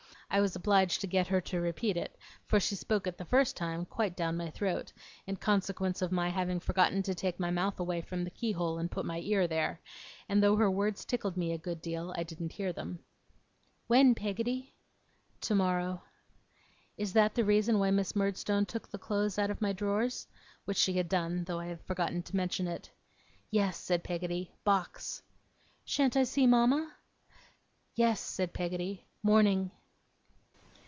I was obliged to get her to repeat it, for she spoke it the first time quite down my throat, in consequence of my having forgotten to take my mouth away from the keyhole and put my ear there; and though her words tickled me a good deal, I didn't hear them. 'When, Peggotty?' 'Tomorrow.' 'Is that the reason why Miss Murdstone took the clothes out of my drawers?' which she had done, though I have forgotten to mention it. 'Yes,' said Peggotty. 'Box.' 'Shan't I see mama?' 'Yes,' said Peggotty. 'Morning.